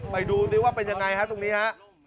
ไปดูดิว่าเป็นยังไงฮะตรงนี้ฮะ